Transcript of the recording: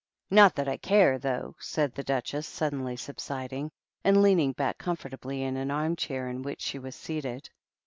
"Not that I care, though," said the Duchess, suddenly subsiding, and leaning back comfortably in an arm chair in which she was seated.